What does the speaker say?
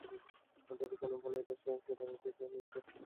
তবে কেন বলে সেটা নৃতাত্ত্বিক বিবর্তনের হারানো সূত্রের মতোই একটি সূত্র।